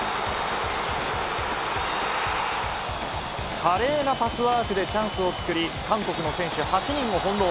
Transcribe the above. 華麗なパスワークでチャンスを作り、韓国の選手８人を翻弄。